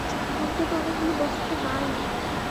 অন্তত অনেকগুলো বছর তো না ই।